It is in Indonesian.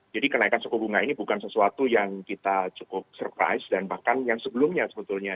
jadi kenaikan suku bunga ini bukan sesuatu yang kita cukup surprise dan bahkan yang sebelumnya sebetulnya